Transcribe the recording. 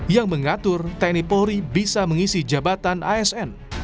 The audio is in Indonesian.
yang mengatur tni polri bisa mengisi jabatan asn